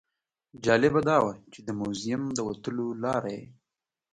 جالبه دا وه چې د موزیم د وتلو لاره یې.